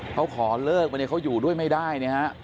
เค้าขอเลิกมาเค้าอยู่ด้วยไม่ได้